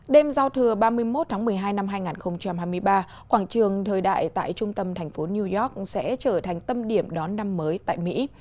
đêm giao thừa ba mươi một tháng một mươi hai năm hai nghìn hai mươi ba quảng trường thời đại tại trung tâm thành phố new york sẽ trở thành tâm điểm đón năm mới tại mỹ